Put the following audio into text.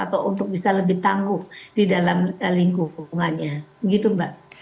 atau untuk bisa lebih tangguh di dalam lingkungannya begitu mbak